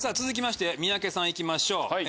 続きまして三宅さん行きましょう。